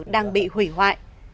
đang bị hủy hoại